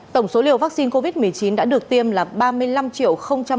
tổng số liều vaccine covid một mươi chín đã được tiêm là ba mươi năm bảy mươi một bảy trăm một mươi bốn liều